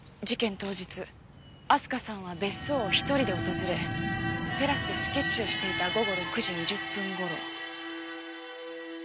当日明日香さんは別荘を１人で訪れテラスでスケッチをしていた午後６時２０分頃。